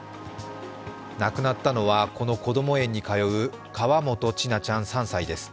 亡くなったのは、このこども園に通う河本千奈ちゃん、３歳です。